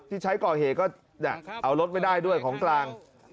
ที่ใช้ก่อเหตุก็เอารถไว้ได้ด้วยของกลาง